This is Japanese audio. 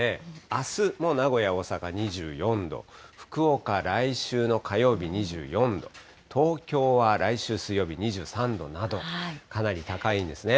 あすもう名古屋、大阪２４度、福岡、来週の火曜日、２４度、東京は来週水曜日２３度など、かなり高いんですね。